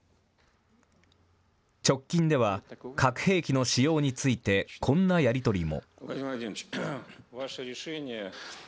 直近では、核兵器の使用について、こんなやり取りも。